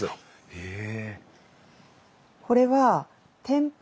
へえ。